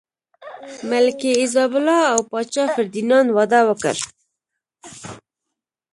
ملکې ایزابلا او پاچا فردیناند واده وکړ.